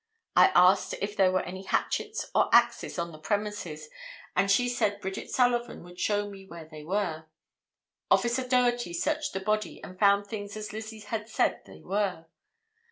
I asked if there were any hatchets or axes on the premises, and she said Bridget Sullivan would show me where they were; Officer Doherty searched the body and found things as Lizzie had said they were."